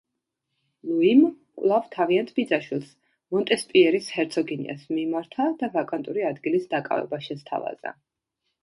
ლუიმ კვლავ თავიანთ ბიძაშვილს, მონტესპიერის ჰერცოგინიას მიმართა და ვაკანტური ადგილის დაკავება შესთავაზა.